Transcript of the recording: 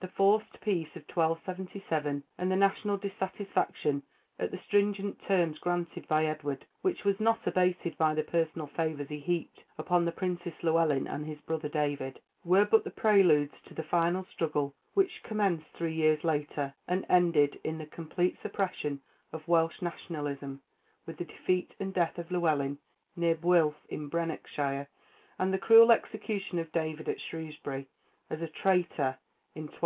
The forced peace of 1277, and the national dissatisfaction at the stringent terms granted by Edward, which was not abated by the personal favors he heaped upon the princes Llewelyn and his brother David, were but the preludes to the final struggle which commenced three years later, and ended in the complete suppression of Welsh nationalism, with the defeat and death of Llewelyn, near Builth, in Brecknockshire, and the cruel execution of David at Shrewsbury, as a traitor, in 1284.